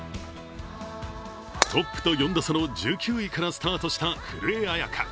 トップと４打差の１９位からスタートした古江彩佳。